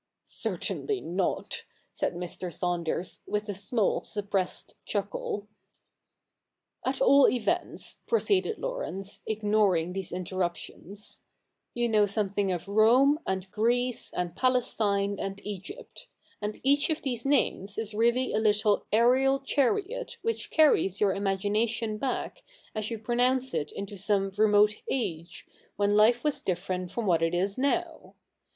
' Certainly not,' said Mr. Saunders, with a small suppressed chuckle. 'At all events,' proceeded Laurence, ignoring these interruptions, ' you know something of Rome, and Greece, and Palestine, and Egypt : and each of these names is really a little aerial chariot which carries your imagination back as you pronounce it into some remote age, when life was different from what it is now.